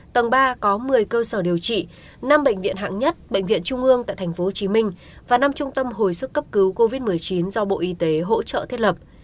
tầng ba có một mươi cơ sở điều trị năm bệnh viện hạng nhất bệnh viện trung ương tại tp hcm và năm trung tâm hồi sức cấp cứu covid một mươi chín do bộ y tế hỗ trợ thiết lập